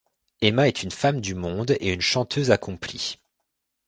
Emma est une femme du monde et une chanteuse accomplie.